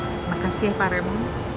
terima kasih ya pak remu